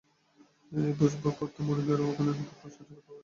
এই ভোজ ভোগ করতে আমার মনিবের অগণিত থাপ্পড় সহ্য করতে পারবো।